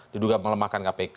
diduga melemahkan kpk